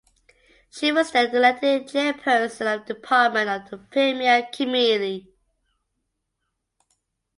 She was then elected chairperson of the department of the premier committee.